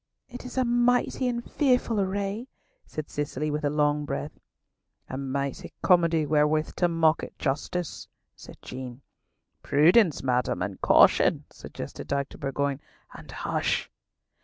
"It is a mighty and fearful array," said Cicely with a long breath. "A mighty comedy wherewith to mock at justice," said Jean. "Prudence, madam, and caution," suggested Dr. Bourgoin. "And hush!"